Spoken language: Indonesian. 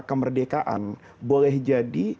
kemerdekaan boleh jadi